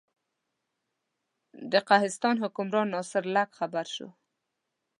د قهستان حکمران ناصر لک خبر شو.